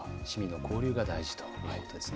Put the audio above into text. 交流が大事ということですね。